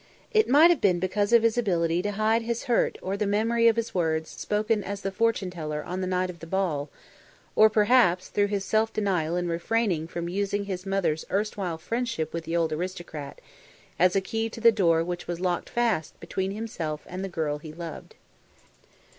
It might have been because of his ability to hide his hurt or the memory of his words spoken as the fortune teller on the night of the ball, or perhaps through his self denial in refraining from using his mother's erstwhile friendship with the old aristocrat, as a key to the door which was locked fast between himself and the girl he loved.